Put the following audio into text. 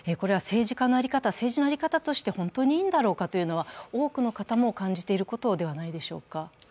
これは政治の在り方として本当にいいのだろうかと多くの方も感じていることではないでしょうか。